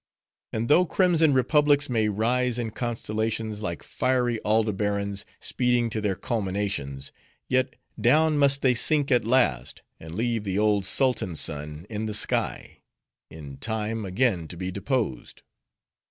"And though crimson republics may rise in constellations, like fiery Aldebarans, speeding to their culminations; yet, down must they sink at last, and leave the old sultan sun in the sky; in time, again to be deposed.